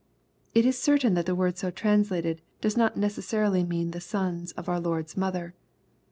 It is certain that the word so translated, does not necessarily mean the sons of our Lord's mother.